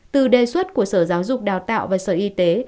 từ đề xuất của sở giáo dục đào tạo và sở y tế